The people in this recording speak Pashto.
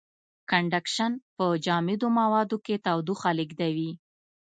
کنډکشن په جامدو موادو کې تودوخه لېږدوي.